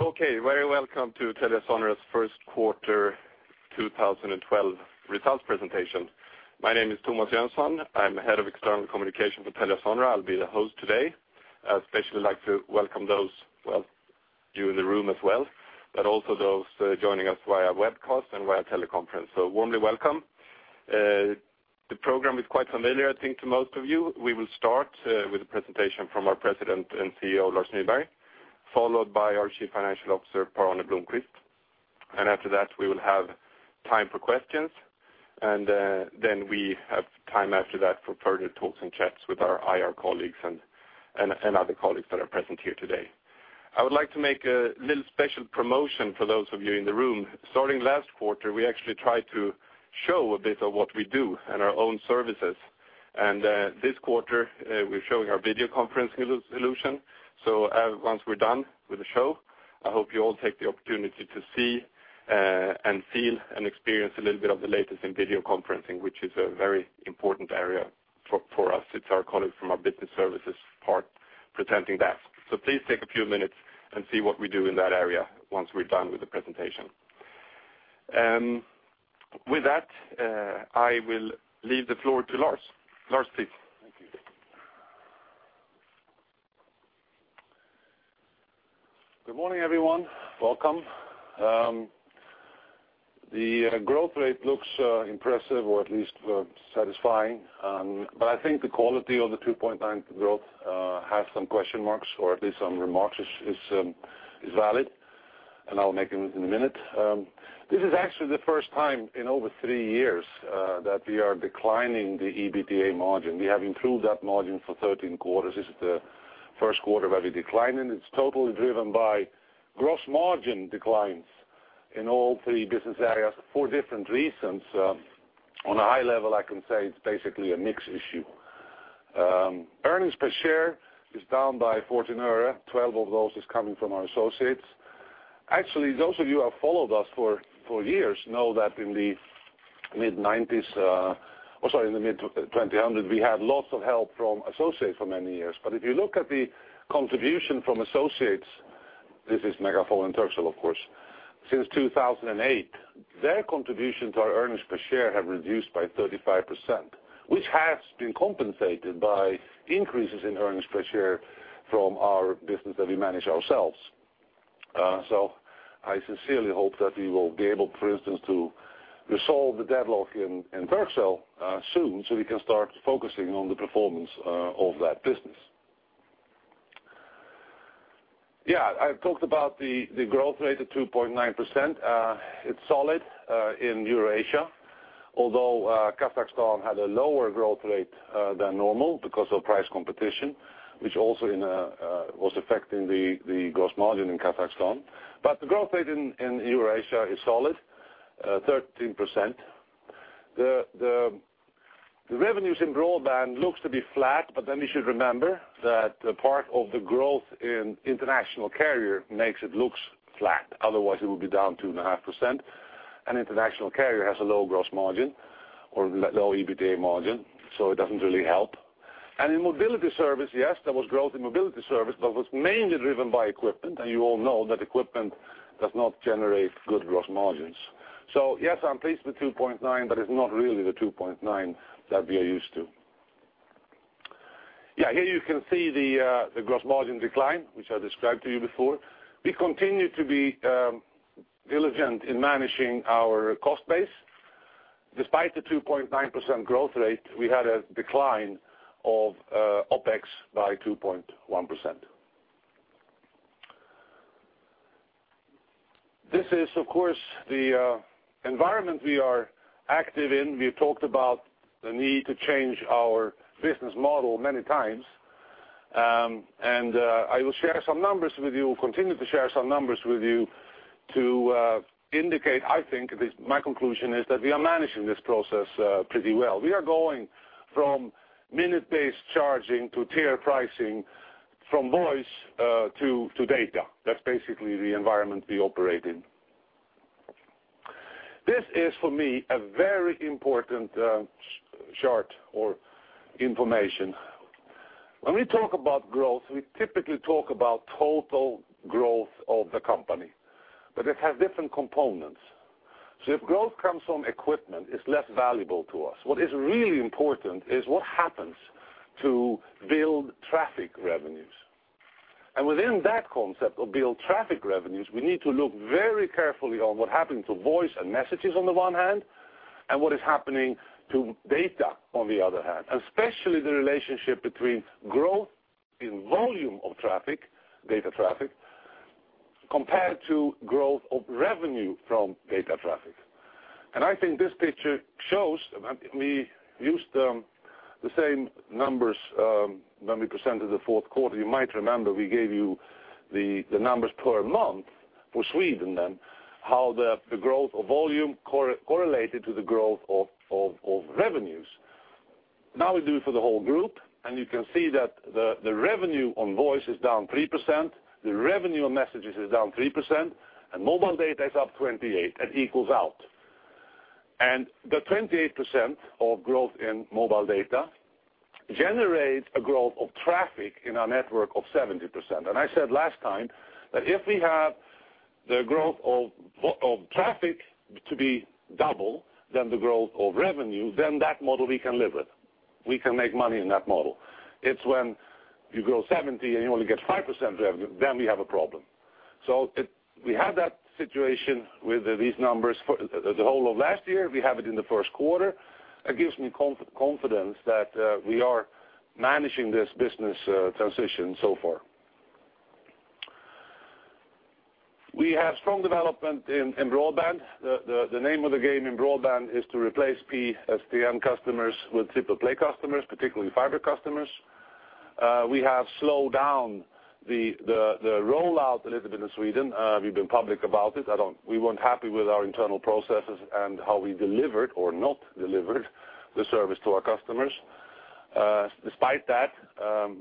Okay, very welcome to TeliaSonera's first quarter 2012 results presentation. My name is Thomas Jansson. I'm the Head of External Communication for TeliaSonera. I'll be the host today. I especially like to welcome those, you in the room as well, but also those joining us via webcast and via teleconference. Warmly welcome. The program is quite familiar, I think, to most of you. We will start with a presentation from our President and CEO, Lars Nyberg, followed by our Chief Financial Officer, Per-Arne Blomquist. After that, we will have time for questions. We have time after that for further talks and chats with our IR colleagues and other colleagues that are present here today. I would like to make a little special promotion for those of you in the room. Starting last quarter, we actually tried to show a bit of what we do and our own services. This quarter, we're showing our video conferencing solution. Once we're done with the show, I hope you all take the opportunity to see and feel and experience a little bit of the latest in video conferencing, which is a very important area for us. It's our colleagues from our Business Services part presenting that. Please take a few minutes and see what we do in that area once we're done with the presentation. With that, I will leave the floor to Lars. Lars, please. Take it. Good morning, everyone. Welcome. The growth rate looks impressive, or at least satisfying. I think the quality of the 2.9% growth has some question marks, or at least some remarks are valid. I'll make them in a minute. This is actually the first time in over three years that we are declining the EBITDA margin. We have improved that margin for 13 quarters. This is the first quarter where we're declining. It's totally driven by gross margin declines in all three business areas for different reasons. On a high level, I can say it's basically a mix issue. Earnings per share is down by €14. Twelve of those are coming from our associates. Those of you who have followed us for years know that in the mid-2000s, we had lots of help from associates for many years. If you look at the contribution from associates, this is Megafon and Turkcell, of course, since 2008, their contribution to our earnings per share has reduced by 35%, which has been compensated by increases in earnings per share from our business that we manage ourselves. I sincerely hope that we will be able, for instance, to resolve the deadlock in Turkcell soon so we can start focusing on the performance of that business. I've talked about the growth rate at 2.9%. It's solid in Eurasia, although Kazakhstan had a lower growth rate than normal because of price competition, which also was affecting the gross margin in Kazakhstan. The growth rate in Eurasia is solid, 13%. The revenues in broadband look to be flat, but we should remember that the part of the growth in international carrier makes it look flat. Otherwise, it would be down 2.5%. International carrier has a low gross margin or low EBITDA margin, so it doesn't really help. In mobility service, yes, there was growth in mobility service, but it was mainly driven by equipment. You all know that equipment does not generate good gross margins. Yes, I'm pleased with 2.9%, but it's not really the 2.9% that we are used to. Here you can see the gross margin decline, which I described to you before. We continue to be diligent in managing our cost base. Despite the 2.9% growth rate, we had a decline of OPEX by 2.1%. This is, of course, the environment we are active in. We've talked about the need to change our business model many times. I will share some numbers with you, continue to share some numbers with you to indicate, I think, my conclusion is that we are managing this process pretty well. We are going from minute-based charging to tiered pricing, from voice to data. That's basically the environment we operate in. This is, for me, a very important chart or information. When we talk about growth, we typically talk about total growth of the company, but it has different components. If growth comes from equipment, it's less valuable to us. What is really important is what happens to billable traffic revenues. Within that concept of billable traffic revenues, we need to look very carefully on what happens to voice and messages on the one hand, and what is happening to data on the other hand. Especially the relationship between growth in volume of traffic, data traffic, compared to growth of revenue from data traffic. I think this picture shows that we used the same numbers when we presented the fourth quarter. You might remember we gave you the numbers per month for Sweden then, how the growth of volume correlated to the growth of revenues. Now we do it for the whole group, and you can see that the revenue on voice is down 3%, the revenue on messages is down 3%, and mobile data is up 28% and equals out. The 28% of growth in mobile data generates a growth of traffic in our network of 70%. I said last time that if we have the growth of traffic to be double than the growth of revenue, then that model we can live with. We can make money in that model. It's when you grow 70 and you only get 5% revenue, then we have a problem. We had that situation with these numbers for the whole of last year. We have it in the first quarter. It gives me confidence that we are managing this business transition so far. We have strong development in broadband. The name of the game in broadband is to replace PSTN customers with triple play customers, particularly fiber customers. We have slowed down the rollout a little bit in Sweden. We've been public about it. We weren't happy with our internal processes and how we delivered or not delivered the service to our customers. Despite that,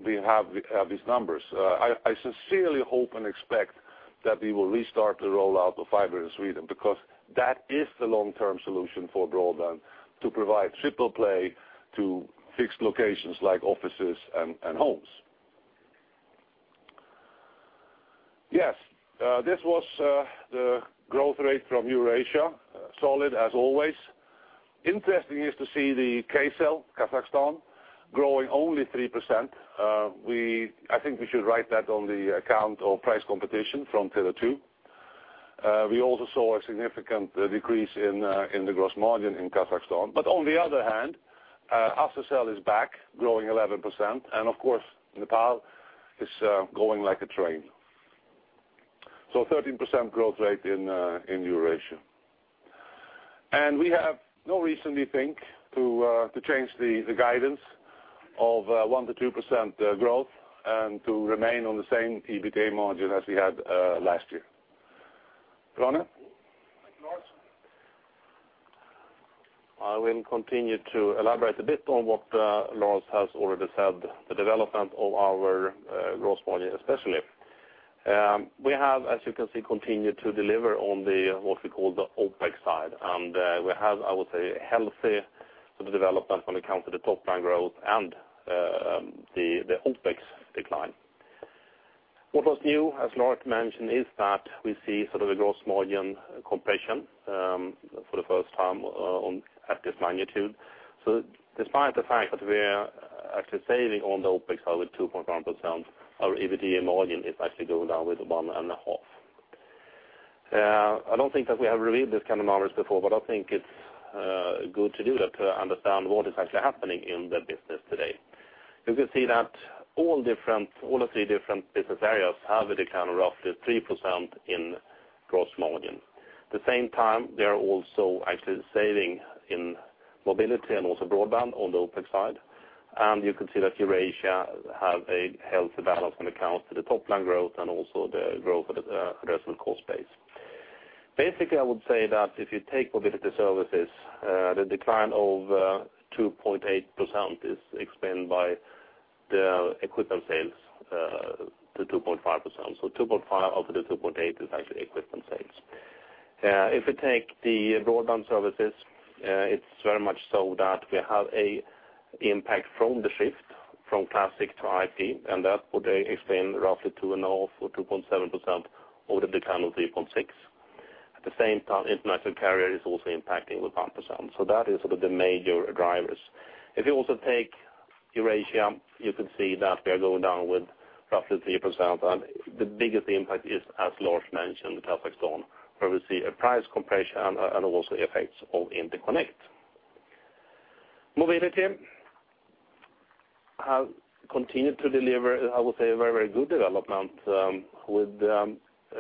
we have these numbers. I sincerely hope and expect that we will restart the rollout of fiber in Sweden because that is the long-term solution for broadband to provide triple play to fixed locations like offices and homes. This was the growth rate from Eurasia, solid as always. Interesting is to see the Kcell, Kazakhstan, growing only 3%. I think we should write that on the account of price competition from Tele2. We also saw a significant decrease in the gross margin in Kazakhstan. On the other hand, Aftersell is back, growing 11%. Of course, Nepal is going like a train. 13% growth rate in Eurasia. We have no reason, we think, to change the guidance of 1% to 2% growth and to remain on the same EBITDA margin as we had last year. Per-Arne? I will continue to elaborate a bit on what Lars has already said, the development of our gross margin especially. We have, as you can see, continued to deliver on what we call the OPEX side. I would say, healthy development when it comes to the top line growth and the OPEX decline. What was new, as Lars mentioned, is that we see sort of a gross margin compression for the first time at this magnitude. Despite the fact that we're actually saving on the OPEX side with 2.1%, our EBITDA margin is actually going down with 1.5%. I don't think that we have revealed this kind of numbers before, but I think it's good to do that to understand what is actually happening in the business today. You can see that all the three different business areas have a decline of roughly 3% in gross margin. At the same time, they're also actually saving in mobility and also broadband on the OPEX side. You can see that Eurasia has a healthy balance when it comes to the top line growth and also the growth of the addressable cost base. Basically, I would say that if you take mobility services, the decline of 2.8% is explained by the equipment sales, the 2.5%. So 2.5% out of the 2.8% is actually equipment sales. If we take the broadband services, it's very much so that we have an impact from the shift from classic to IP, and that would extend roughly 2.5% for 2.7% of the decline of 3.6%. At the same time, international carrier is also impacting with 5%. That is sort of the major drivers. If you also take Eurasia, you can see that they're going down with roughly 3%. The biggest impact is, as Lars mentioned, Kazakhstan, where we see a price compression and also the effects of Interconnect. Mobility has continued to deliver, I would say, a very, very good development with a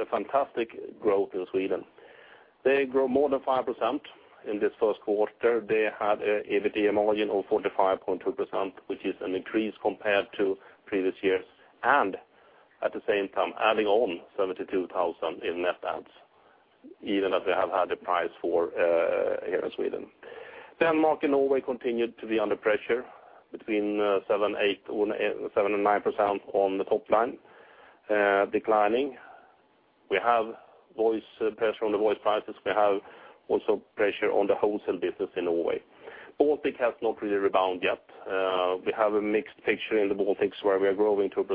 fantastic growth in Sweden. They grow more than 5% in this first quarter. They had an EBITDA margin of 45.2%, which is an increase compared to previous years. At the same time, adding on 72,000 in net ads, even as we have had the price for here in Sweden. Denmark and Norway continue to be under pressure between 7% and 9% on the top line, declining. We have pressure on the voice prices. We have also pressure on the wholesale business in Norway. Baltic has not really rebound yet. We have a mixed picture in the Baltics where we are growing 2%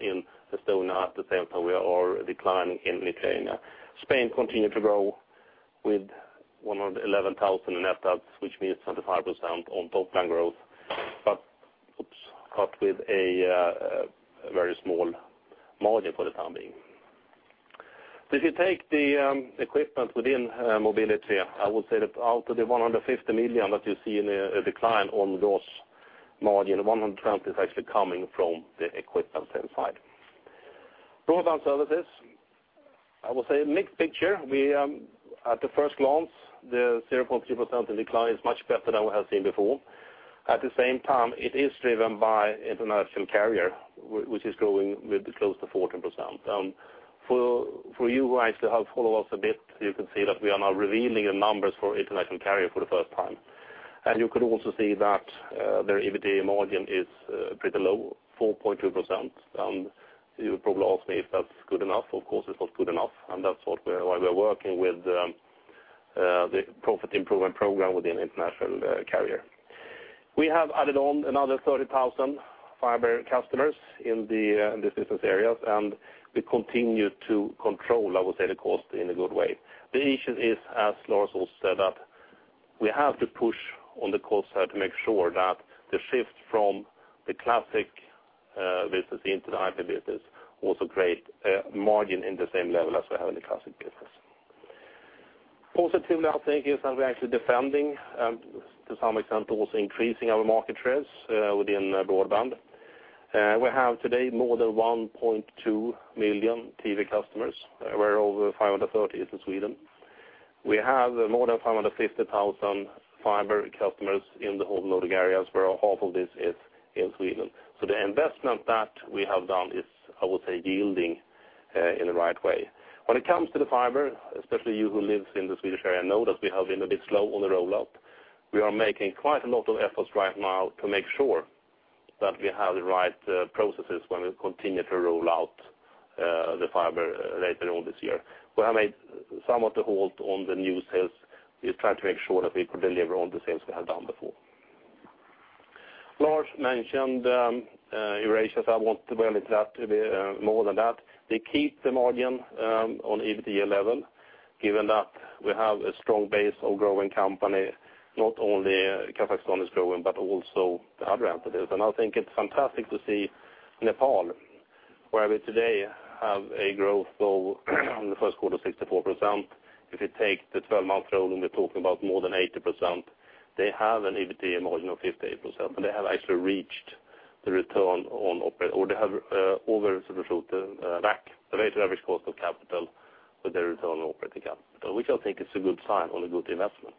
in Estonia. At the same time, we are declining in Lithuania. Spain continues to grow with 111,000 in net ads, which means 25% on top line growth, but with a very small margin for the time being. If you take the equipment within mobility, I would say that out of the $150 million that you see in a decline on gross margin, $120 million is actually coming from the equipment sales. Broadband services, I would say, a mixed picture. We, at the first glance, the 0.3% in decline is much better than we have seen before. At the same time, it is driven by international carrier, which is growing close to 14%. For you who actually have followed us a bit, you can see that we are now revealing the numbers for international carrier for the first time. You could also see that their EBITDA margin is pretty low, 4.2%. You would probably ask me if that's good enough. Of course, it's not good enough. That's why we're working with the Profit Improvement Program within international carrier. We have added on another 30,000 fiber customers in the business areas. We continue to control, I would say, the cost in a good way. The issue is, as Lars also said, that we have to push on the cost side to make sure that the shift from the classic business into the IP business also creates a margin in the same level as we have in the classic business. Positive thing is that we're actually defending, to some extent, also increasing our market shares within broadband. We have today more than 1.2 million TV customers. We're over 530,000 in Sweden. We have more than 550,000 fiber customers in the whole Nordic areas, where half of this is in Sweden. The investment that we have done is, I would say, yielding in the right way. When it comes to the fiber, especially you who live in the Swedish area know that we have been a bit slow on the rollout. We are making quite a lot of efforts right now to make sure that we have the right processes when we continue to roll out the fiber later on this year. We have made somewhat a halt on the new sales. We tried to make sure that we could deliver on the sales we have done before. Lars mentioned Eurasia, so I won't dwell on that. More than that, they keep the margin on the EBITDA level, given that we have a strong base of growing company. Not only Kazakhstan is growing, but also the other entities. I think it's fantastic to see Nepal, where we today have a growth rate in the first quarter of 64%. If you take the 12-month rolling, we're talking about more than 80%. They have an EBITDA margin of 58%. They have actually reached the return on operating, or they have over-substituted the rate of average cost of capital with their return on operating capital, which I think is a good sign on a good investment.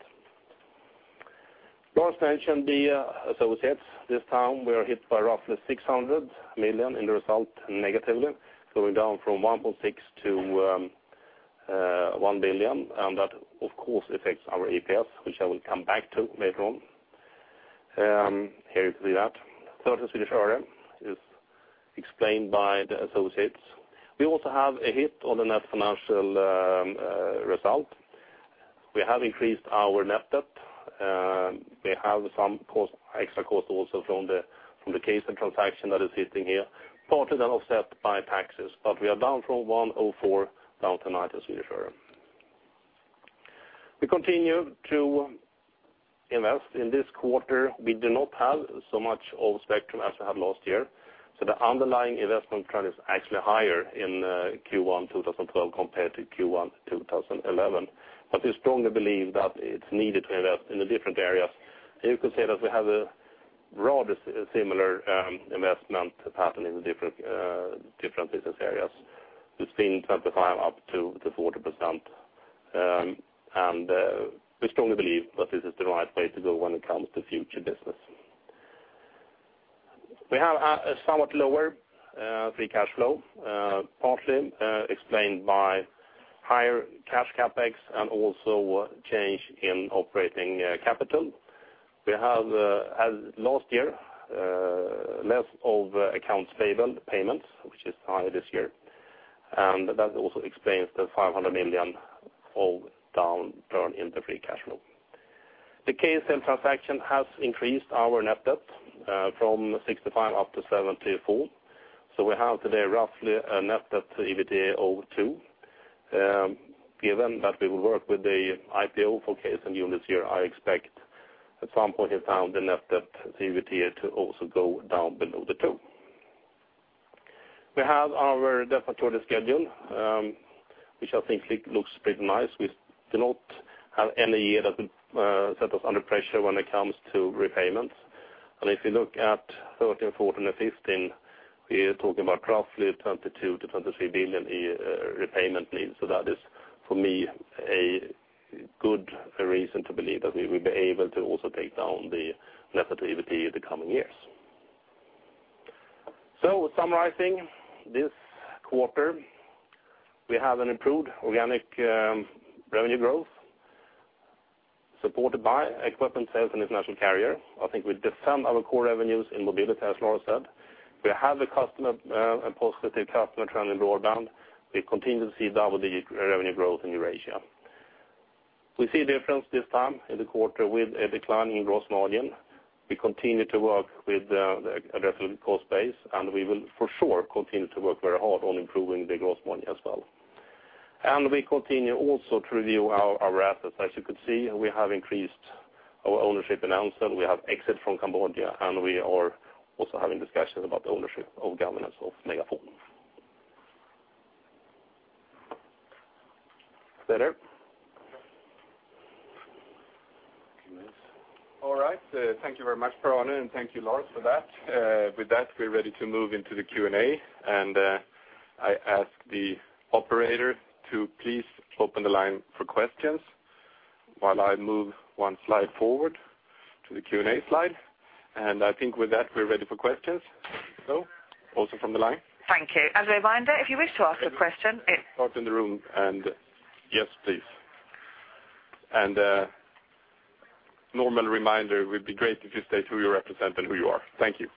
Lars mentioned the services. This time, we are hit by roughly 600 million in the result negatively, going down from 1.6 billion to 1 billion. That, of course, affects our EPS, which I will come back to later on. Here you can see that SEK 30 million is explained by the associates. We also have a hit on the net financial result. We have increased our net debt. We have some extra costs also from the Kcell transaction that is sitting here, partly then offset by taxes. We are down from 1.04 billion down to SEK 900 million. We continue to invest in this quarter. We do not have so much of the spectrum as we had last year, so the underlying investment trend is actually higher in Q1 2012 compared to Q1 2011. We strongly believe that it's needed to invest in the different areas. You can say that we have a broad similar investment pattern in the different business areas between 25% up to 40%. We strongly believe that this is the right way to go when it comes to future business. We have a somewhat lower free cash flow, partly explained by higher cash CapEx and also change in operating capital. We have, as last year, less of accounts payments, which is higher this year. That also explains the 500 million all down turned into free cash flow. The Kcell transaction has increased our net debt from 65% up to 74%. We have today roughly a net debt to EBITDA of 2x. Given that we will work with the IPO for Kcell units here, I expect at some point in time the net debt to EBITDA to also go down below the 2x. We have our debt maturity schedule, which I think looks pretty nice. We do not have any year that would set us under pressure when it comes to repayments. If you look at 2013, 2014, and 2015, we're talking about roughly 22 billion to 23 billion in repayment needs. That is, for me, a good reason to believe that we will be able to also take down the net debt to EBITDA in the coming years. Summarizing this quarter, we have an improved organic revenue growth supported by equipment sales and international carrier business. I think we defend our core revenues in mobility, as Lars said. We have a positive customer trend in broadband. We continue to see double-digit revenue growth in Eurasia. We see a difference this time in the quarter with a declining gross margin. We continue to work with the addressable cost base, and we will for sure continue to work very hard on improving the gross margin as well. We continue also to review our assets. As you could see, we have increased our ownership in Ansel. We have exited from Cambodia, and we are also having discussions about the ownership of governance of Megafon. Better. All right. Thank you very much, Per-Arne, and thank you, Lars, for that. With that, we're ready to move into the Q&A. I ask the operator to please open the line for questions while I move one slide forward to the Q&A slide. I think with that, we're ready for questions, also from the line. Thank you. As a reminder, if you wish to ask a question, it's... Start in the room, yes, please. A normal reminder, it would be great if you state who you represent and who you are. Thank you.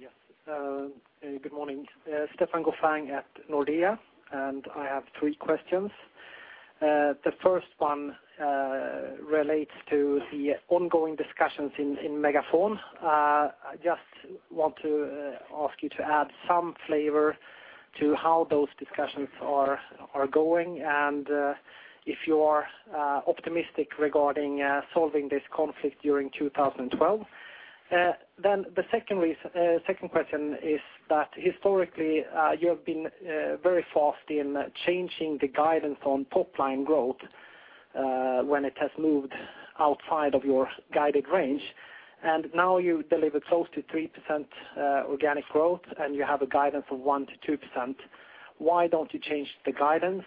Yes. Good morning. Stefan Gauffin at Nordea, and I have three questions. The first one relates to the ongoing discussions in Megafon. I just want to ask you to add some flavor to how those discussions are going. If you are optimistic regarding solving this conflict during 2012, the second question is that historically, you have been very fast in changing the guidance on top line growth when it has moved outside of your guided range. Now you deliver close to 3% organic growth, and you have a guidance of 1% to 2%. Why don't you change the guidance?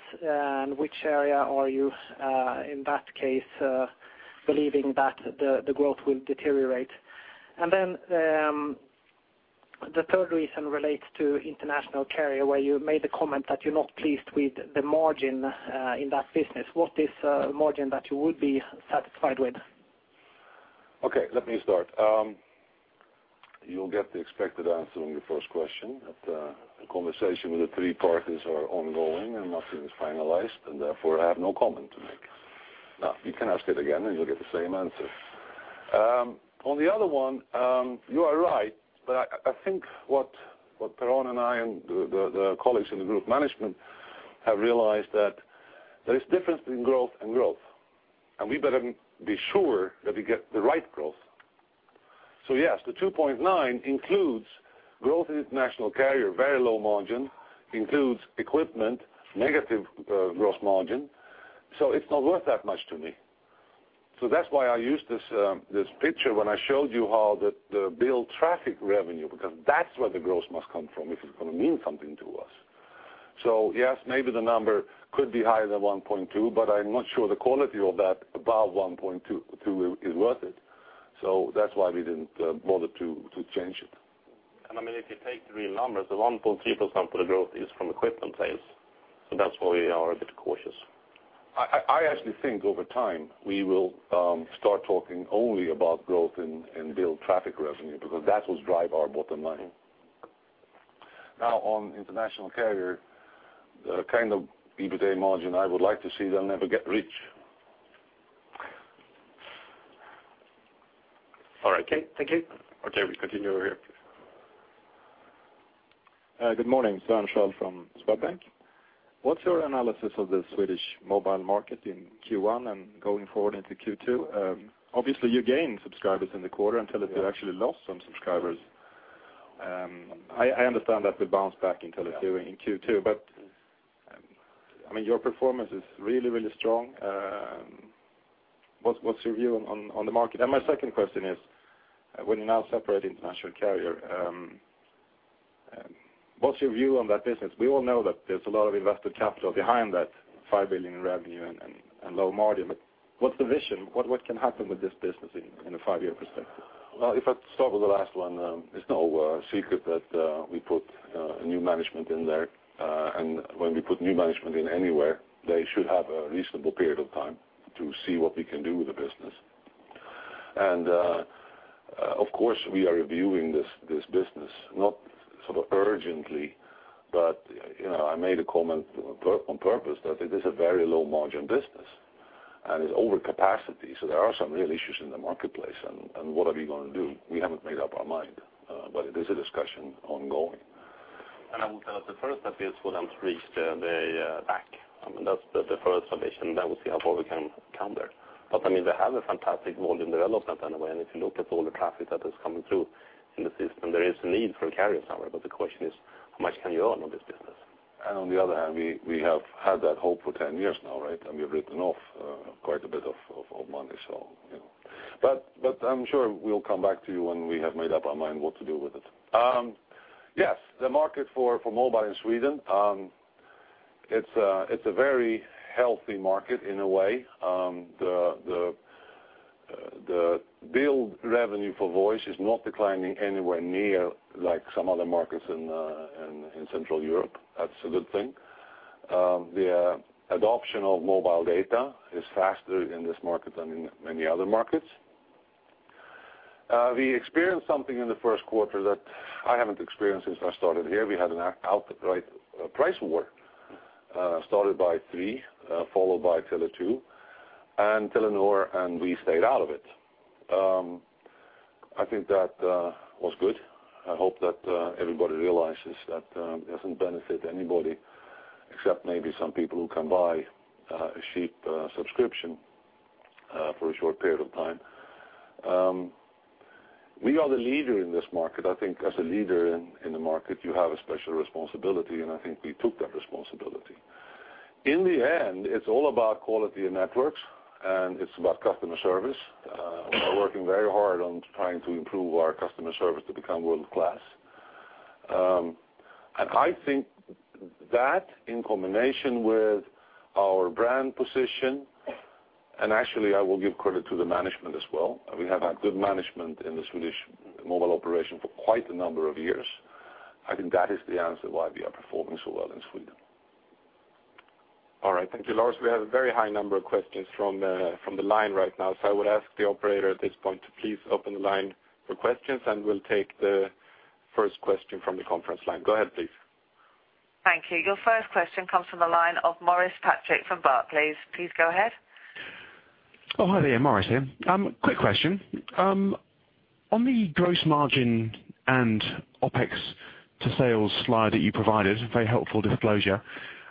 Which area are you, in that case, believing that the growth will deteriorate? The third reason relates to international carrier, where you made the comment that you're not pleased with the margin in that business. What is a margin that you would be satisfied with? Okay, let me start. You'll get the expected answer on your first question. The conversation with the three parties is ongoing, and nothing is finalized. Therefore, I have no comment to make. You can ask it again, and you'll get the same answer. On the other one, you are right, but I think what Per-Arne and I and the colleagues in the group management have realized is that there is a difference between growth and growth. We better be sure that we get the right growth. Yes, the 2.9% includes growth in international carrier, very low margin, includes equipment, negative gross margin. It's not worth that much to me. That's why I used this picture when I showed you how to build traffic revenue, because that's where the growth must come from if it's going to mean something to us. Yes, maybe the number could be higher than 1.2%, but I'm not sure the quality of that above 1.2% is worth it. That's why we didn't bother to change it. If you take the real numbers, the 1.3% for the growth is from equipment sales. That's why we are a bit cautious. I actually think over time, we will start talking only about growth in billable traffic revenues, because that will drive our bottom line. Now, on international carrier, the kind of EBITDA margin I would like to see them never get rich. All right. Thank you. Okay, we continue over here. Good morning. Sören Schaal from Swedbank. What's your analysis of the Swedish mobile market in Q1 and going forward into Q2? Obviously, you gain subscribers in the quarter and Telia actually lost some subscribers. I understand that we bounced back in Telia in Q2. Your performance is really, really strong. What's your view on the market? My second question is, when you now separate international carrier, what's your view on that business? We all know that there's a lot of invested capital behind that, $5 billion in revenue and low margin. What's the vision? What can happen with this business in a five-year perspective? If I start with the last one, it's no secret that we put new management in there. When we put new management in anywhere, they should have a reasonable period of time to see what we can do with the business. Of course, we are reviewing this business, not sort of urgently, but you know I made a comment on purpose that it is a very low-margin business. It's over capacity. There are some real issues in the marketplace. What are we going to do? We haven't made up our mind. It is a discussion ongoing. I would say that the first step is for them to reach their AC. That's the first foundation that we see how far we can come there. I mean, we have a fantastic volume development anyway. If you look at all the traffic that is coming through in the system, there is a need for carriers somewhere. The question is, how much can you earn on this business? On the other hand, we have had that hope for 10 years now, right? We've written off quite a bit of money. You know, I'm sure we'll come back to you when we have made up our mind what to do with it. Yes, the market for mobile in Sweden, it's a very healthy market in a way. The billable revenue for voice is not declining anywhere near like some other markets in Central Europe. Absolute thing. The adoption of mobile data is faster in this market than in many other markets. We experienced something in the first quarter that I haven't experienced since I started here. We had an outright price war started by 3, followed by Tele2 and Telenor, and we stayed out of it. I think that was good. I hope that everybody realizes that it doesn't benefit anybody except maybe some people who can buy a cheap subscription for a short period of time. We are the leader in this market. I think as a leader in the market, you have a special responsibility, and I think we took that responsibility. In the end, it's all about quality in networks, and it's about customer service. We're working very hard on trying to improve our customer service to become world-class. I think that in combination with our brand position, and actually, I will give credit to the management as well. We have had good management in the Swedish mobile operation for quite a number of years. I think that is the answer why we are performing so well in Sweden. All right. Thank you, Lars. We have a very high number of questions from the line right now. I would ask the operator at this point to please open the line for questions, and we'll take the first question from the conference line. Go ahead, please. Thank you. Your first question comes from the line of Morris Patrick from Barclays. Please go ahead. Hi there. Maurice here. Quick question. On the gross margin and OPEX to sales slide that you provided, very helpful disclosure.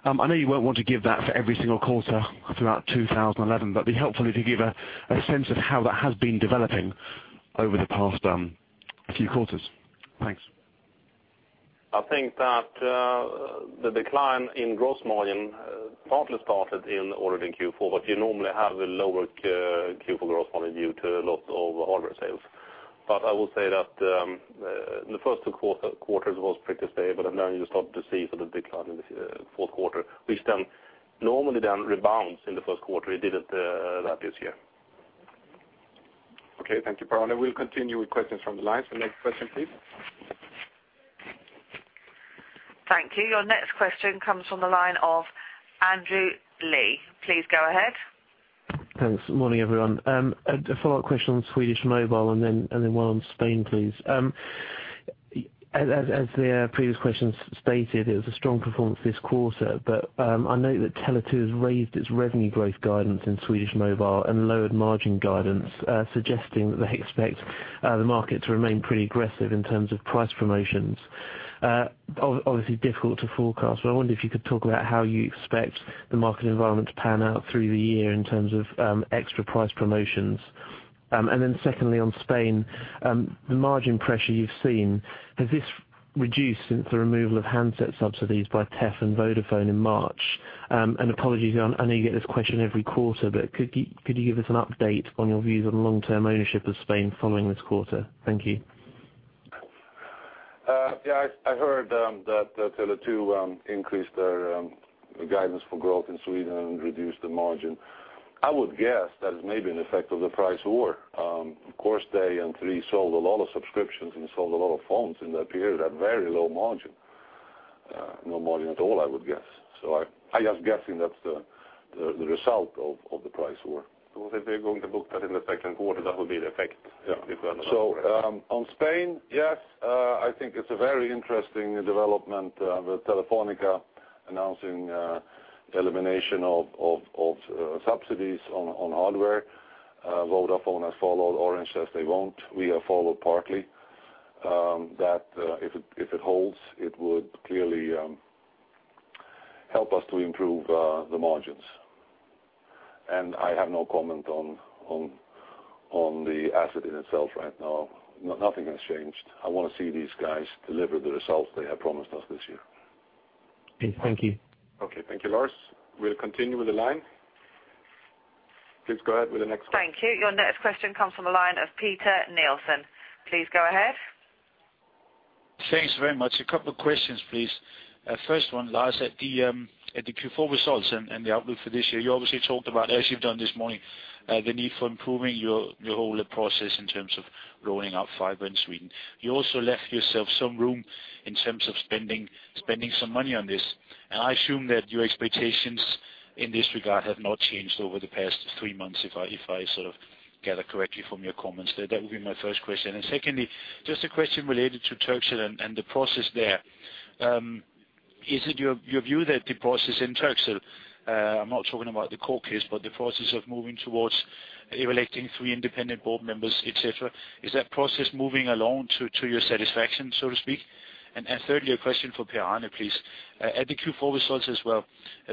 I know you won't want to give that for every single quarter throughout 2011, but it'd be helpful if you give a sense of how that has been developing over the past few quarters. Thanks. I think that the decline in gross margin partly started in Q4, but you normally have a lower Q4 gross margin due to a lot of hardware sales. I will say that the first two quarters was pretty stable, and then you start to see the decline in the fourth quarter, which normally rebounds in the first quarter. It didn't that this year. Okay. Thank you, Per-Arne. We'll continue with questions from the lines. The next question, please. Thank you. Your next question comes from the line of Andrew Lee. Please go ahead. Thanks. Morning everyone. A follow-up question on Swedish mobile and then one on Spain, please. As the previous question stated, it was a strong performance this quarter, but I note that Tele2 has raised its revenue growth guidance in Swedish mobile and lowered margin guidance, suggesting that they expect the market to remain pretty aggressive in terms of price promotions. Obviously, difficult to forecast, but I wonder if you could talk about how you expect the market environment to pan out through the year in terms of extra price promotions. Secondly, on Spain, the margin pressure you've seen, has this reduced since the removal of handset subsidies by TEF and Vodafone in March? Apologies, I know you get this question every quarter, but could you give us an update on your views on long-term ownership of Spain following this quarter? Thank you. Yeah, I heard that Tele2 increased their guidance for growth in Sweden and reduced the margin. I would guess that it's maybe an effect of the price war. Of course, they sold a lot of subscriptions and sold a lot of phones in that period at very low margin, no margin at all, I would guess. I'm just guessing that's the result of the price war. If they're going to book that in the second quarter, that would be the effect. On Spain, yes, I think it's a very interesting development with Telefónica announcing the elimination of subsidies on hardware. Vodafone has followed. Orange says they won't. We have followed partly. If it holds, it would clearly help us to improve the margins. I have no comment on the asset in itself right now. Nothing has changed. I want to see these guys deliver the results they have promised us this year. Thank you. Okay. Thank you, Lars. We'll continue with the line. Please go ahead with the next question. Thank you. Your next question comes from a line of Peter Nielsen. Please go ahead. Thanks very much. A couple of questions, please. First one, Lars, at the Q4 results and the outlook for this year, you obviously talked about, as you've done this morning, the need for improving your whole process in terms of rolling out fiber in Sweden. You also left yourself some room in terms of spending some money on this. I assume that your expectations in this regard have not changed over the past three months, if I sort of gather correctly from your comments. That would be my first question. Secondly, just a question related to Turkcell and the process there. Is it your view that the process in Turkcell, I'm not talking about the court case, but the process of moving towards electing three independent board members, etc., is that process moving along to your satisfaction, so to speak? Thirdly, a question for Per-Arne, please. At the Q4 results as well,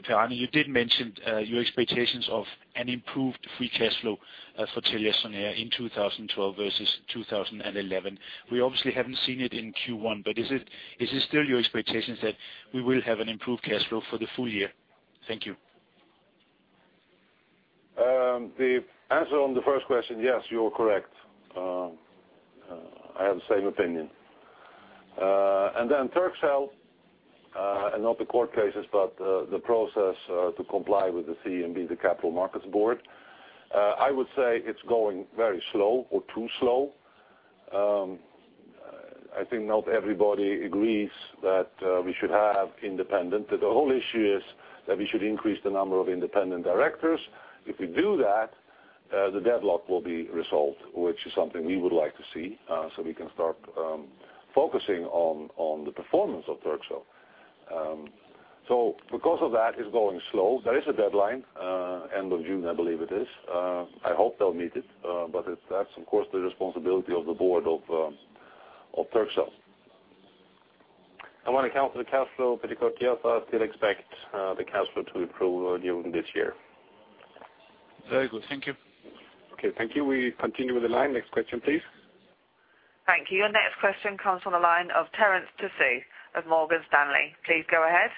Per-Arne, you did mention your expectations of an improved free cash flow for TeliaSonera in 2012 versus 2011. We obviously haven't seen it in Q1, but is it still your expectation that we will have an improved cash flow for the full year? Thank you. The answer on the first question, yes, you're correct. I have the same opinion. Then Turkcell, and not the court cases, but the process to comply with the CMB, the Capital Markets Board, I would say it's going very slow or too slow. I think not everybody agrees that we should have independent. The whole issue is that we should increase the number of independent directors. If we do that, the deadlock will be resolved, which is something we would like to see, so we can start focusing on the performance of Turkcell. Because of that, it's going slow. There is a deadline, end of June, I believe it is. I hope they'll meet it. That's, of course, the responsibility of the board of Turkcell. When it comes to the cash flow, pretty good, yes, I still expect the cash flow to improve during this year. Very good. Thank you. Okay. Thank you. We continue with the line. Next question, please. Thank you. Your next question comes from a line of Terence Tsui of Morgan Stanley. Please go ahead.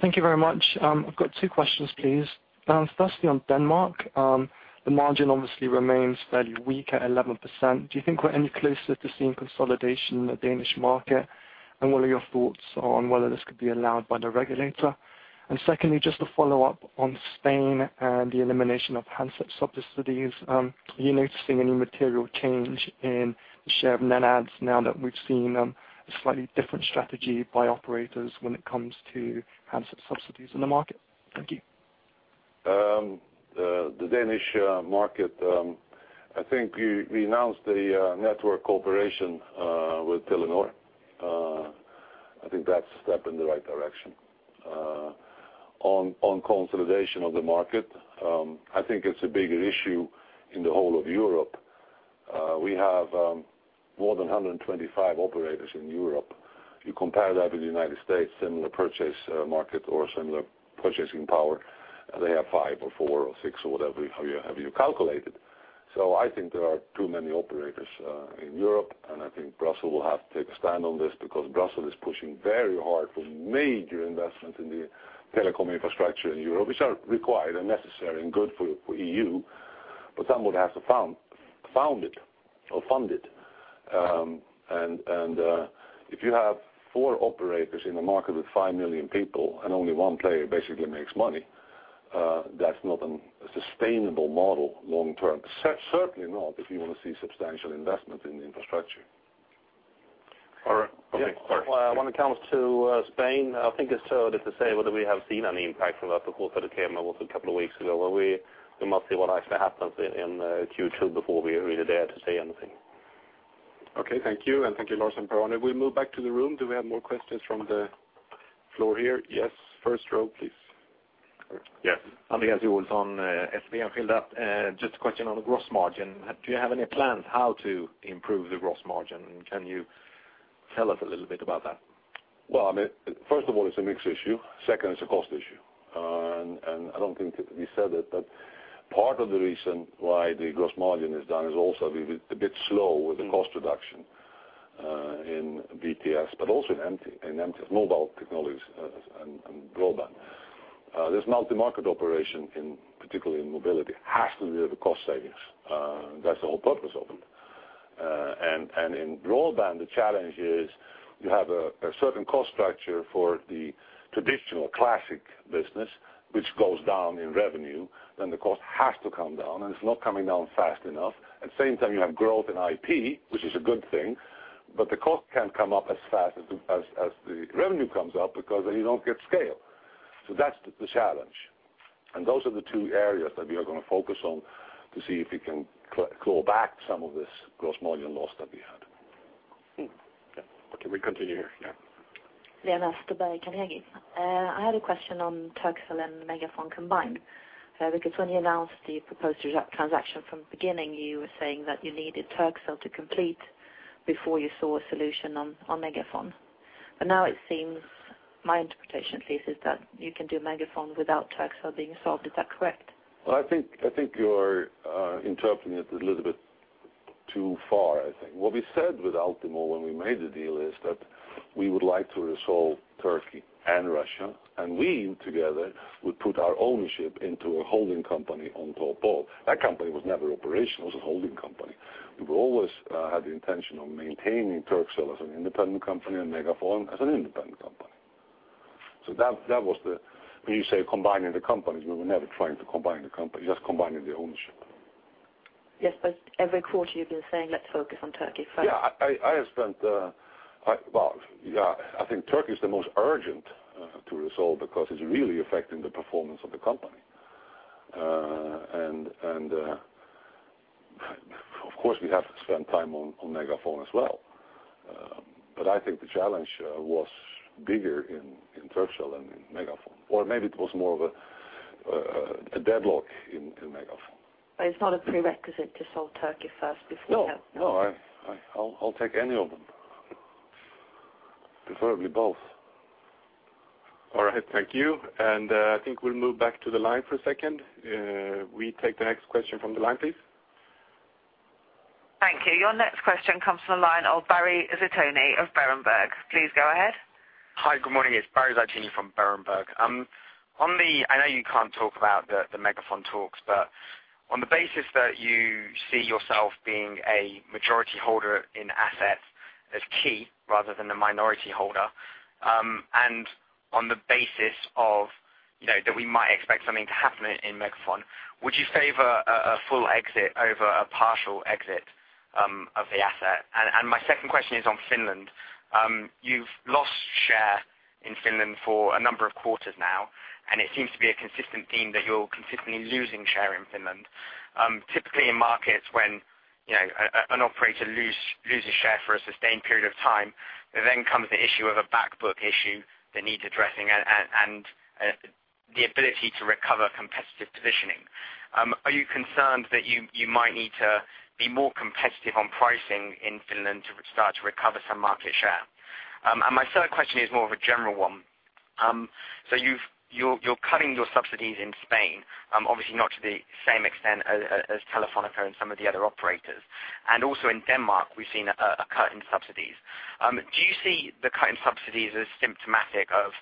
Thank you very much. I've got two questions, please. Firstly, on Denmark, the margin obviously remains fairly weak at 11%. Do you think we're any closer to seeing consolidation in the Danish market? What are your thoughts on whether this could be allowed by the regulator? Secondly, just to follow up on Spain and the elimination of handset subsidies, are you noticing any material change in the share of net adds now that we've seen a slightly different strategy by operators when it comes to handset subsidies in the market? Thank you. The Danish market, I think we announced a network cooperation with Telenor. I think that's a step in the right direction. On consolidation of the market, I think it's a bigger issue in the whole of Europe. We have more than 125 operators in Europe. You compare that with the United States, similar purchase market or similar purchasing power. They have five or four or six or whatever you have you calculated. I think there are too many operators in Europe. I think Brussels will have to take a stand on this because Brussels is pushing very hard for major investments in the telecom infrastructure in Europe, which are required and necessary and good for EU. Some would have to fund it. If you have four operators in a market with 5 million people and only one player basically makes money, that's not a sustainable model long term. Certainly not if you want to see substantial investment in infrastructure. Okay. When it comes to Spain, I think it's too early to say whether we have seen any impact from that because that came out a couple of weeks ago. We must see what actually happens in Q2 before we really dare to say anything. Okay. Thank you. Thank you, Lars and Per-Arne. We'll move back to the room. Do we have more questions from the floor here? Yes, first row, please. Yes. I guess you were on SVM, Hilda. Just a question on the gross margin. Do you have any plans how to improve the gross margin? Can you tell us a little bit about that? First of all, it's a mixed issue. Second, it's a cost issue. I don't think we said it, but part of the reason why the gross margin is down is also a bit slow with the cost reduction in BTS, but also in MTF, mobile technologies, and broadband. This multi-market operation, particularly in mobility, has to deal with cost savings. That's the whole purpose of them. In broadband, the challenge is you have a certain cost structure for the traditional classic business, which goes down in revenue. Then the cost has to come down, and it's not coming down fast enough. At the same time, you have growth in IP, which is a good thing, but the cost can't come up as fast as the revenue comes up because then you don't get scale. That's the challenge. Those are the two areas that we are going to focus on to see if we can claw back some of this gross margin loss that we had. Okay, we continue here. Yeah. Lena Stubbe Kannegi. I had a question on Turkcell and Megafon combined. Because when you announced the proposed transaction from the beginning, you were saying that you needed Turkcell to complete before you saw a solution on Megafon. Now it seems, my interpretation at least, is that you can do Megafon without Turkcell being solved. Is that correct? I think you're interpreting it a little bit too far, I think. What we said with Altemor when we made the deal is that we would like to resolve Turkey and Russia. We together would put our ownership into a holding company on top of all. That company was never operational. It was a holding company. We've always had the intention of maintaining Turkcell as an independent company and Megafon as an independent company. When you say combining the companies, we were never trying to combine the company, just combining the ownership. Yes, but every quarter you've been saying, let's focus on Turkey first. I have spent, I think Turkey is the most urgent to resolve because it's really affecting the performance of the company. Of course, we have to spend time on Megafon as well. I think the challenge was bigger in Turkcell and in Megafon, or maybe it was more of a deadlock in Megafon. It is not a prerequisite to solve Turkey first before. No, I'll take any of them, preferably both. All right. Thank you. I think we'll move back to the line for a second. We take the next question from the line, please. Thank you. Your next question comes from a line of Barry Zeitoune of Berenberg. Please go ahead. Hi, good morning. It's Barry Zeitoune from Berenberg. I know you can't talk about the Megafon talks, but on the basis that you see yourself being a majority holder in assets as key rather than a minority holder, and on the basis of, you know, that we might expect something to happen in Megafon, would you favor a full exit over a partial exit of the asset? My second question is on Finland. You've lost share in Finland for a number of quarters now, and it seems to be a consistent theme that you're consistently losing share in Finland. Typically in markets when, you know, an operator loses share for a sustained period of time, there then comes the issue of a back book issue that needs addressing and the ability to recover competitive positioning. Are you concerned that you might need to be more competitive on pricing in Finland to start to recover some market share? My third question is more of a general one. You're cutting your subsidies in Spain, obviously not to the same extent as Telefónica and some of the other operators. Also in Denmark, we've seen a cut in subsidies. Do you see the cut in subsidies as symptomatic of,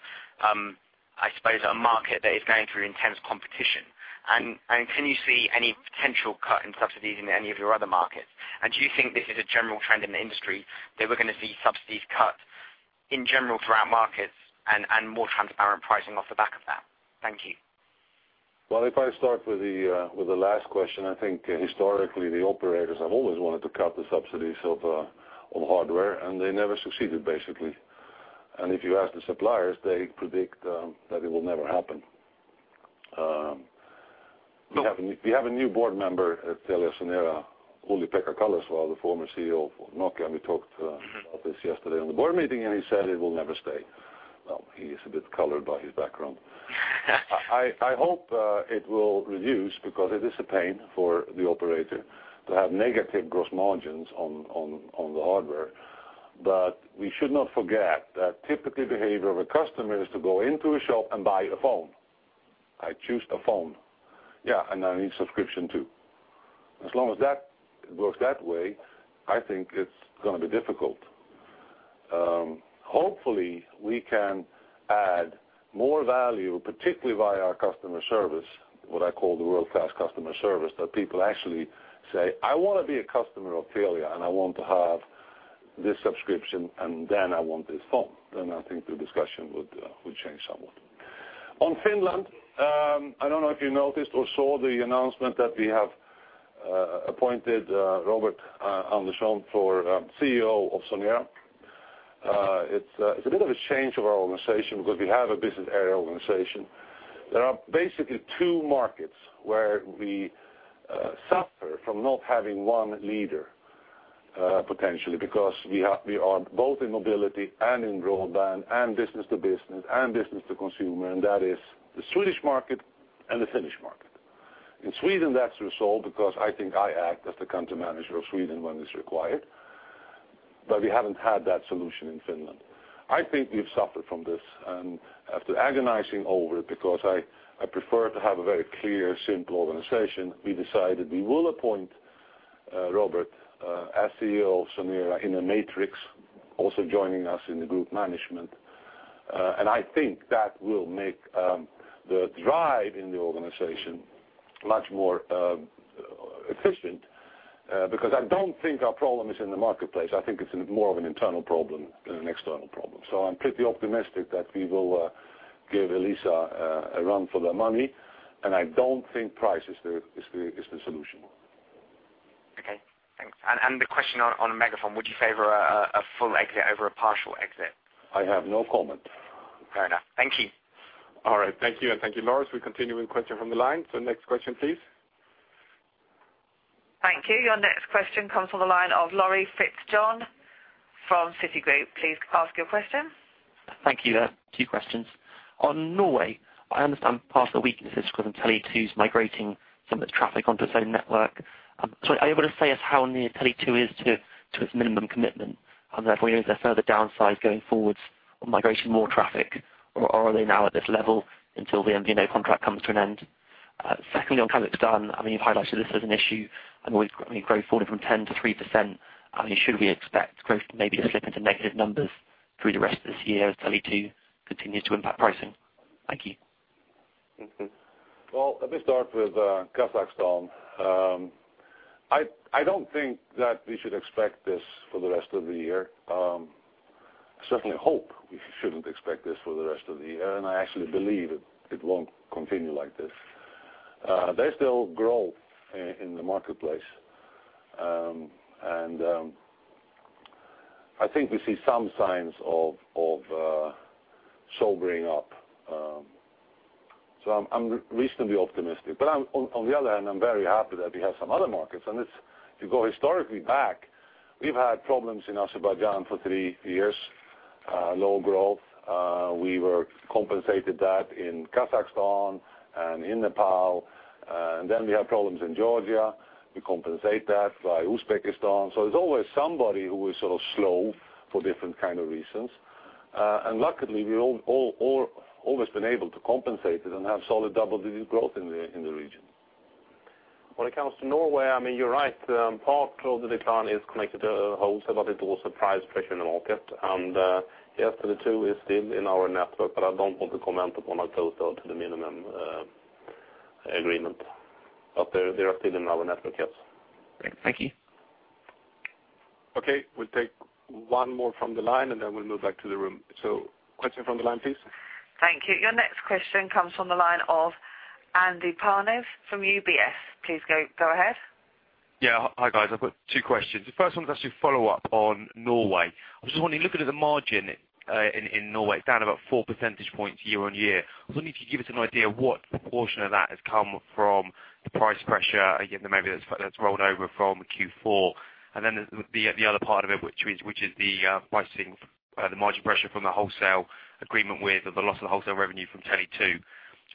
I suppose, a market that is going through intense competition? Can you see any potential cut in subsidies in any of your other markets? Do you think this is a general trend in the industry that we're going to see subsidies cut in general throughout markets and more transparent pricing off the back of that? Thank you. If I start with the last question, I think historically, the operators have always wanted to cut the subsidies of all the hardware, and they never succeeded, basically. If you ask the suppliers, they predict that it will never happen. We have a new board member at TeliaSonera, Olli-Pekka Kallasvuo, the former CEO of Nokia, and we talked about this yesterday in the board meeting, and he said it will never stay. He is a bit colored by his background. I hope it will reduce because it is a pain for the operator to have negative gross margins on the hardware. We should not forget that typically the behavior of a customer is to go into a shop and buy a phone. I choose a phone, and I need a subscription too. As long as that works that way, I think it's going to be difficult. Hopefully, we can add more value, particularly via our customer service, what I call the world-class customer service, that people actually say, "I want to be a customer of Telia, and I want to have this subscription, and then I want this phone." I think the discussion would change somewhat. On Finland, I don't know if you noticed or saw the announcement that we have appointed Robert Andersson for CEO of Sonera. It's a bit of a change of our organization because we have a business area organization. There are basically two markets where we suffer from not having one leader, potentially, because we are both in mobility and in broadband and business-to-business and business-to-consumer. That is the Swedish market and the Finnish market. In Sweden, that's resolved because I think I act as the Country Manager of Sweden when it's required. We haven't had that solution in Finland. I think we've suffered from this. After agonizing over it, because I prefer to have a very clear, simple organization, we decided we will appoint Robert as CEO of Sonera in a matrix, also joining us in the group management. I think that will make the drive in the organization much more efficient because I don't think our problem is in the marketplace. I think it's more of an internal problem than an external problem. I'm pretty optimistic that we will give Elisa a run for the money. I don't think price is the solution. Okay. Thanks. The question on Megafon, would you favor a full exit over a partial exit? I have no comment. Fair enough. Thank you. All right. Thank you. Thank you, Lars. We'll continue with questions from the line. Next question, please. Thank you. Your next question comes from the line of Laurie Fitzjohn from Citi. Please ask your question. Thank you. Key questions. On Norway, I understand part of the weakness is because of Tele2 migrating some of the traffic onto its own network. Are you able to say how near Tele2 is to its minimum commitment? If there's further downside going forward, migrating more traffic, or are they now at this level until the MVNO contract comes to an end? Secondly, on how it's done, you've highlighted this as an issue. Growth falling from 10% to 3%. Should we expect growth maybe to slip into negative numbers through the rest of this year as Tele2 continues to impact pricing? Thank you. Let me start with Kazakhstan. I don't think that we should expect this for the rest of the year. I certainly hope we shouldn't expect this for the rest of the year. I actually believe it won't continue like this. They still grow in the marketplace. I think we see some signs of sobering up. I'm reasonably optimistic. On the other hand, I'm very happy that we have some other markets. If you go historically back, we've had problems in Azerbaijan for three years, low growth. We were compensated for that in Kazakhstan and in Nepal. Then we had problems in Georgia. We compensate that by Uzbekistan. There's always somebody who is sort of slow for different kinds of reasons. Luckily, we've always been able to compensate it and have solid double-digit growth in the region. When it comes to Norway, I mean, you're right. Part of the return is connected to the hotel, but it's also price pressure in the market. Yes, Tele2 is still in our network, but I don't want to comment upon a total to the minimum agreement. They are still in our network, yes. Great, thank you. Okay, we'll take one more from the line, and then we'll move back to the room. Question from the line, please. Thank you. Your next question comes from the line of Andrew Parnes from UBS. Please go ahead. Yeah. Hi, guys. I've got two questions. The first one is actually a follow-up on Norway. I was just wondering, looking at the margin in Norway, down about 4% year on year, I was wondering if you could give us an idea of what portion of that has come from the price pressure, again, maybe that's rolled over from Q4. The other part of it, which is the pricing, the margin pressure from the wholesale agreement with the loss of the wholesale revenue from Tele2.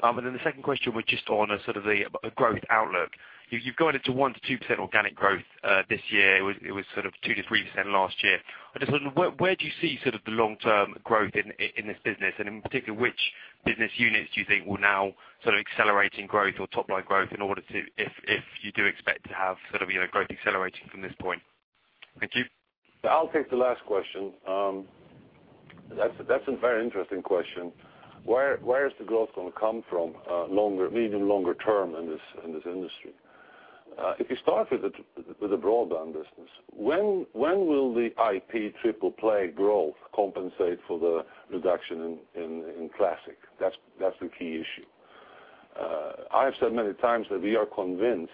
The second question was just on a sort of the growth outlook. You've got it to 1% to 2% organic growth this year. It was sort of 2% to 3% last year. I just wonder, where do you see sort of the long-term growth in this business? In particular, which business units do you think will now sort of accelerate in growth or topline growth in order to, if you do expect to have sort of growth accelerating from this point? Thank you. I'll take the last question. That's a very interesting question. Where is the growth going to come from medium-longer term in this industry? If you start with the broadband business, when will the IP, triple play growth compensate for the reduction in classic? That's the key issue. I have said many times that we are convinced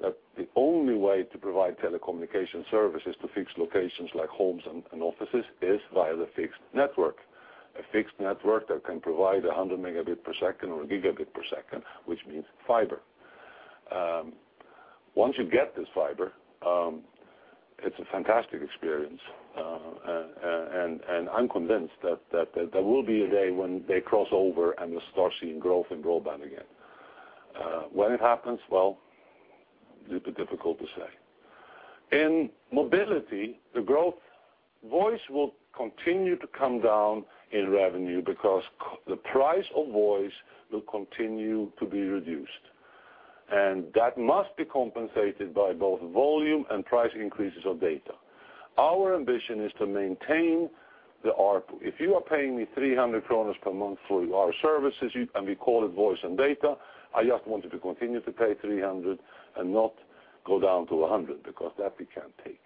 that the only way to provide telecommunication services to fixed locations like homes and offices is via the fixed network. A fixed network that can provide 100 megabits per second or a gigabit per second, which means fiber. Once you get this fiber, it's a fantastic experience. I'm convinced that there will be a day when they cross over and we'll start seeing growth in broadband again. When it happens, it's a bit difficult to say. In mobility, the growth voice will continue to come down in revenue because the price of voice will continue to be reduced. That must be compensated by both volume and price increases of data. Our ambition is to maintain the ARP. If you are paying me 300 kronor per month for our services, and we call it voice and data, I just want you to continue to pay 300 and not go down to 100 because that we can't take.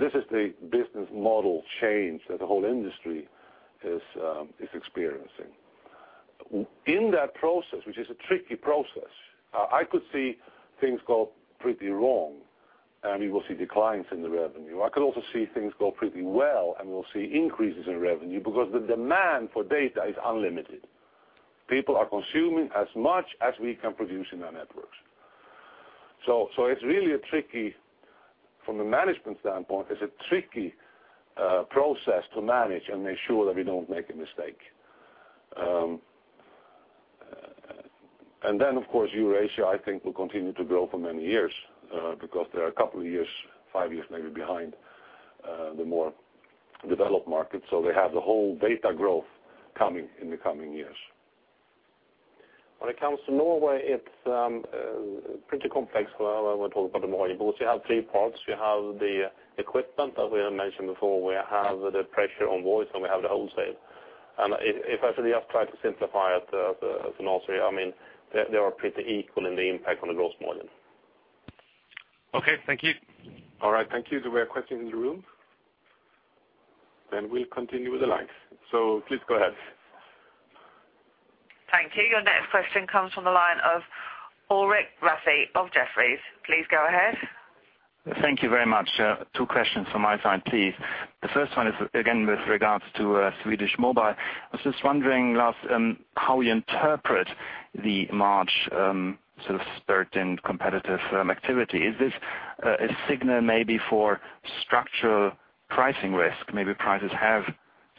This is the business model change that the whole industry is experiencing. In that process, which is a tricky process, I could see things go pretty wrong, and we will see declines in the revenue. I could also see things go pretty well, and we'll see increases in revenue because the demand for data is unlimited. People are consuming as much as we can produce in our networks. It's really a tricky, from the management standpoint, it's a tricky process to manage and make sure that we don't make a mistake. Of course, Eurasia, I think, will continue to grow for many years because they're a couple of years, five years maybe behind the more developed markets. They have the whole data growth coming in the coming years. When it comes to Norway, it's pretty complex. However, we'll talk about the margins. You have three parts. You have the equipment that we mentioned before, we have the pressure on voice, and we have the wholesale. If I should try to simplify it, they are pretty equal in the impact on the gross margin. Okay. Thank you. All right. Thank you. Do we have questions in the room? We'll continue with the line. Please go ahead. Thank you. Your next question comes from the line of Ulrich Rathe of Jefferies. Please go ahead. Thank you very much. Two questions from my side, please. The first one is, again, with regards to Swedish mobile. I was just wondering, Lars, how you interpret the March sort of spurt in competitive activity. Is this a signal maybe for structural pricing risk? Maybe prices have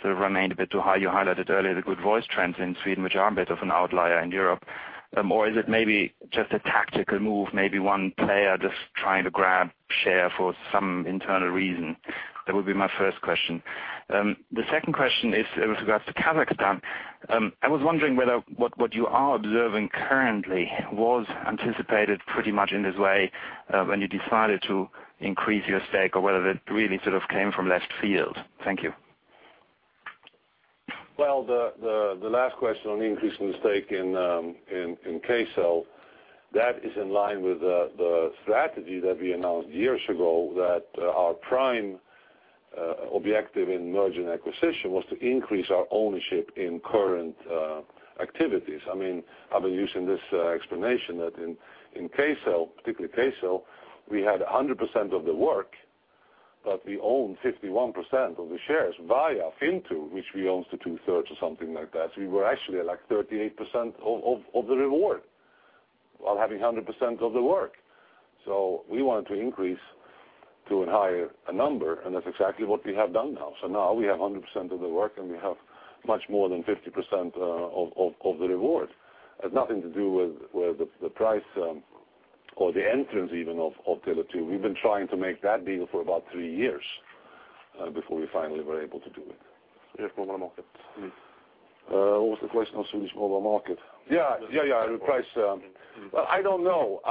sort of remained a bit too high. You highlighted earlier the good voice trends in Sweden, which are a bit of an outlier in Europe. Is it maybe just a tactical move, maybe one player just trying to grab share for some internal reason? That would be my first question. The second question is with regards to Kazakhstan. I was wondering whether what you are observing currently was anticipated pretty much in this way when you decided to increase your stake or whether it really sort of came from left field. Thank you. The last question on increasing the stake in Kcell is in line with the strategy that we announced years ago that our prime objective in merger and acquisition was to increase our ownership in current activities. I mean, I've been using this explanation that in Kcell, particularly Kcell, we had 100% of the work, but we owned 51% of the shares via Fintoo, which we owned two-thirds or something like that. We were actually like 38% of the reward while having 100% of the work. We wanted to increase to a higher number, and that's exactly what we have done now. Now we have 100% of the work, and we have much more than 50% of the reward. It has nothing to do with the price or the entrance even of Tele2. We've been trying to make that deal for about three years before we finally were able to do it. Swedish mobile market. What was the question on Swedish mobile market? I don't know.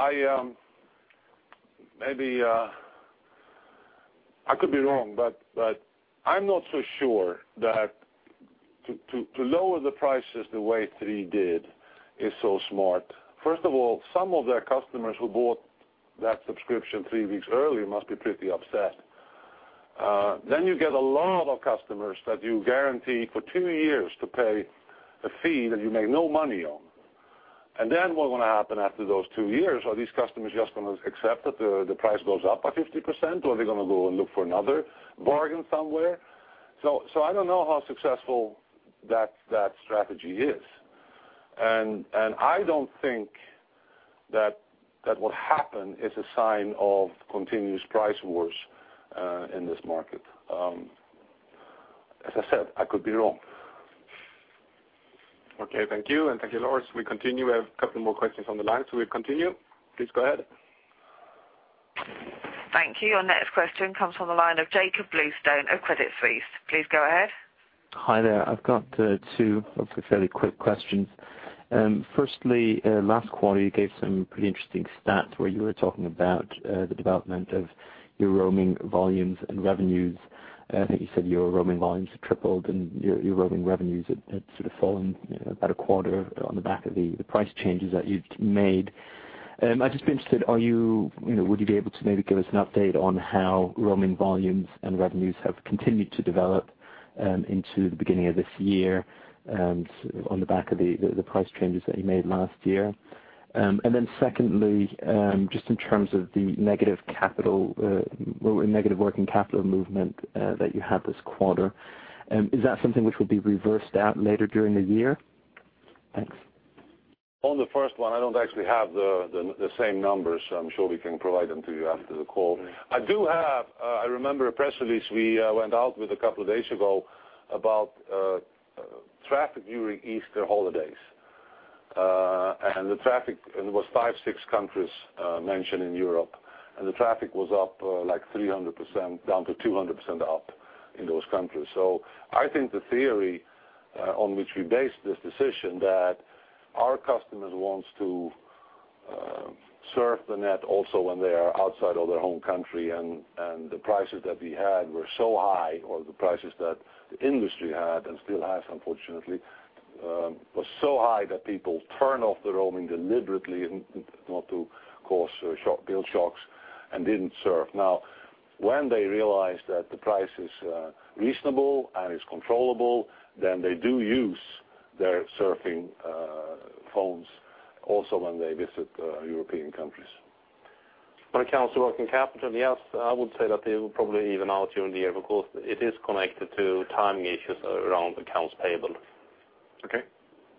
I could be wrong, but I'm not so sure that to lower the prices the way 3 did is so smart. First of all, some of their customers who bought that subscription three weeks earlier must be pretty upset. You get a lot of customers that you guarantee for two years to pay a fee that you make no money on. What's going to happen after those two years? Are these customers just going to accept that the price goes up by 50%, or are they going to go and look for another bargain somewhere? I don't know how successful that strategy is. I don't think that what happened is a sign of continuous price wars in this market. As I said, I could be wrong. Okay. Thank you. Thank you, Lars. We continue with a couple more questions on the line. We'll continue. Please go ahead. Thank you. Your next question comes from the line of Jacob Bluestone of Credit Suisse. Please go ahead. Hi there. I've got two, hopefully, fairly quick questions. Firstly, last quarter, you gave some pretty interesting stats where you were talking about the development of your roaming volumes and revenues. I think you said your roaming volumes had tripled and your roaming revenues had sort of fallen about a quarter on the back of the price changes that you'd made. I'd just be interested, are you, you know, would you be able to maybe give us an update on how roaming volumes and revenues have continued to develop into the beginning of this year and on the back of the price changes that you made last year? Secondly, just in terms of the negative capital, negative working capital movement that you had this quarter, is that something which will be reversed out later during the year? Thanks. On the first one, I don't actually have the same numbers, so I'm sure we can provide them to you after the call. I do have, I remember a press release we went out with a couple of days ago about traffic during Easter holidays. The traffic, and it was five, six countries mentioned in Europe, and the traffic was up like 300%, down to 200% up in those countries. I think the theory on which we based this decision is that our customers want to serve the net also when they are outside of their home country. The prices that we had were so high, or the prices that the industry had and still has, unfortunately, were so high that people turned off the roaming deliberately not to cause bill shocks and didn't surf. Now, when they realized that the price is reasonable and is controllable, then they do use their surfing homes also when they visit European countries. When it comes to working capital, yes, I would say that they will probably even out during the year because it is connected to timing issues around accounts payable. Okay.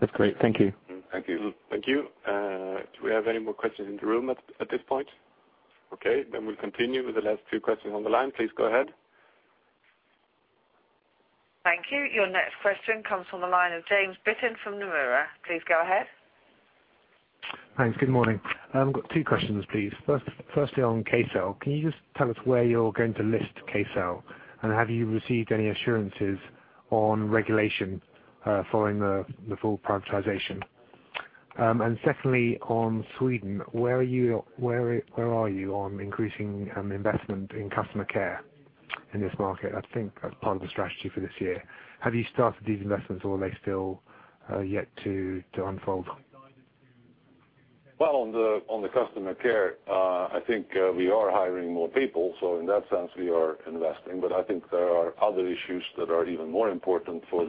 That's great. Thank you. Thank you. Thank you. Do we have any more questions in the room at this point? Okay, we'll continue with the last two questions on the line. Please go ahead. Thank you. Your next question comes from the line of James Britton from Numis. Please go ahead. Thanks. Good morning. I've got two questions, please. Firstly, on Kcell, can you just tell us where you're going to list Kcell? Have you received any assurances on regulation following the full privatization? Secondly, on Sweden, where are you on increasing investment in customer care in this market? I think that's part of the strategy for this year. Have you started these investments, or are they still yet to unfold? On the customer care, I think we are hiring more people. In that sense, we are investing. I think there are other issues that are even more important for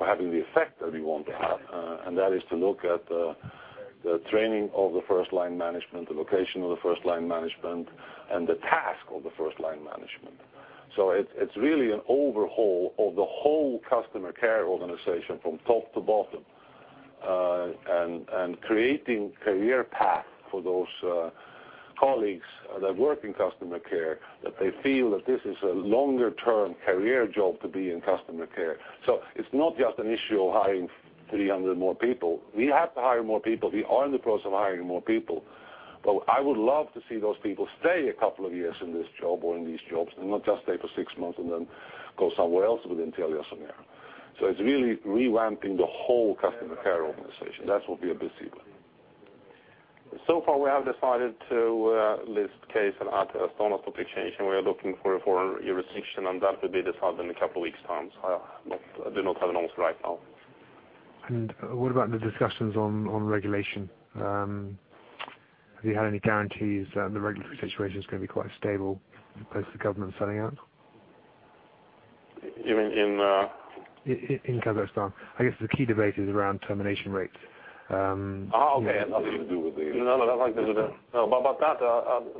having the effect that we want to have. That is to look at the training of the first-line management, the location of the first-line management, and the task of the first-line management. It's really an overhaul of the whole customer care organization from top to bottom and creating career paths for those colleagues that work in customer care, that they feel that this is a longer-term career job to be in customer care. It's not just an issue of hiring 300 more people. We have to hire more people. We are in the process of hiring more people. I would love to see those people stay a couple of years in this job or in these jobs and not just stay for six months and then go somewhere else within TeliaSonera. It's really revamping the whole customer care organization. That's what we are busy with. We have decided to list Kcell as the topic change, and we are looking for a jurisdiction. That will be decided in a couple of weeks' time. I do not have an answer right now. What about the discussions on regulation? Have you had any guarantees that the regulatory situation is going to be quite stable as opposed to the government's setting up? You mean in? In Kazakhstan, I guess the key debate is around termination rates. Okay, I think it has nothing to do with these. No, no, no. No, I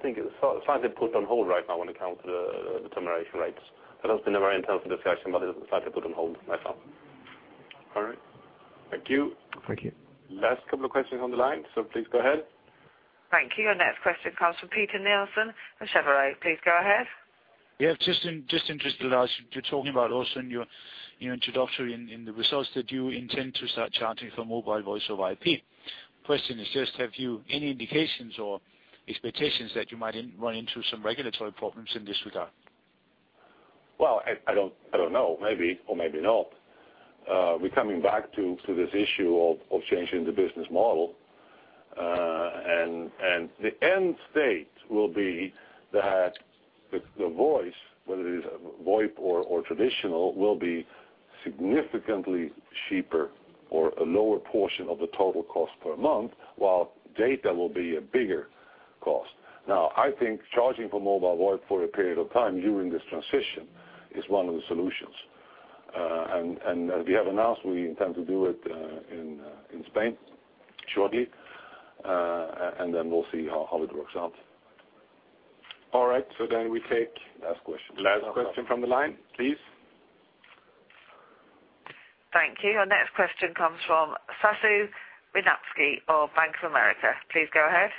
think it's slightly put on hold right now when it comes to the termination rates. That has been a very intense discussion, but it's slightly put on hold. All right. Thank you. Thank you. Last couple of questions on the line. Please go ahead. Thank you. Your next question comes from Peter Nielsen of Telia Company AB. Please go ahead. Yeah. Just interested, Lars, you're talking about also in your introductory in the results that you intend to start charging for mobile VoIP services. The question is just, have you any indications or expectations that you might run into some regulatory problems in this regard? I don't know. Maybe, or maybe not. We're coming back to this issue of changing the business model. The end state will be that the voice, whether it is VoIP or traditional, will be significantly cheaper or a lower portion of the total cost per month, while data will be a bigger cost. I think charging for mobile VoIP for a period of time during this transition is one of the solutions. As we have announced, we intend to do it in Spain shortly. We'll see how it works out. All right. We take last question. Last question. Question from the line, please. Thank you. Our next question comes from Sasu Winnatsky of Bank of America. Please go ahead.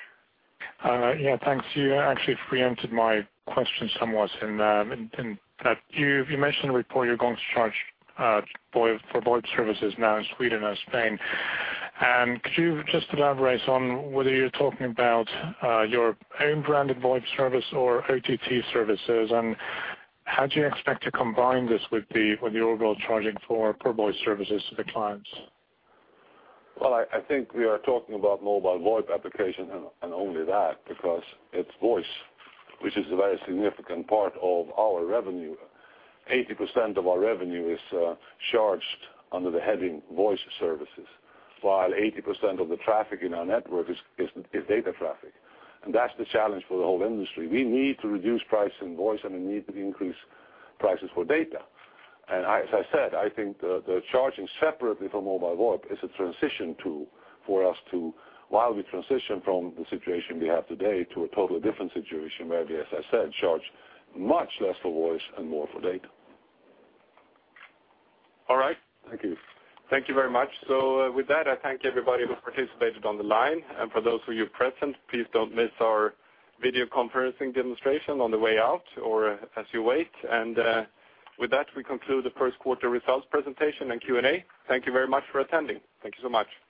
Yeah. Thanks. You actually preempted my question somewhat in that you mentioned in the report you're going to charge for VoIP services now in Sweden and Spain. Could you just elaborate on whether you're talking about your own branded VoIP service or OTT services? How do you expect to combine this with the overall charging for voice services to the clients? I think we are talking about mobile VoIP application and only that because it's voice, which is a very significant part of our revenue. 80% of our revenue is charged under the heading voice services, while 80% of the traffic in our network is data traffic. That's the challenge for the whole industry. We need to reduce prices in voice, and we need to increase prices for data. As I said, I think the charging separately for mobile VoIP is a transition tool for us to, while we transition from the situation we have today to a totally different situation where we, as I said, charge much less for voice and more for data. All right. Thank you. Thank you very much. With that, I thank everybody who participated on the line. For those of you who are present, please don't miss our video conferencing demonstration on the way out or as you wait. With that, we conclude the first quarter results presentation and Q&A. Thank you very much for attending. Thank you so much.